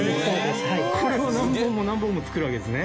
これを何本も何本も作るわけですね？